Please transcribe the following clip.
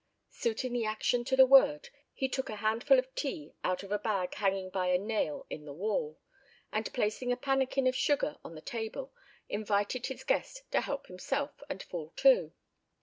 Suiting the action to the word, he took a handful of tea out of a bag hanging by a nail in the wall, and placing a pannikin of sugar on the table, invited his guest to help himself and fall to.